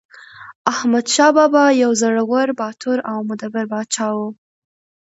احمدشاه بابا یو زړور، باتور او مدبر پاچا و.